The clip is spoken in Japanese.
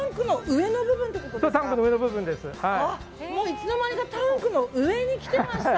いつの間にかタンクの上に来てました。